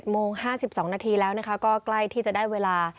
โมง๕๒นาทีแล้วก็ใกล้ที่จะได้เวลา